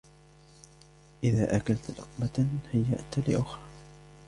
إذا أكلت لقمه هيأت لأخرى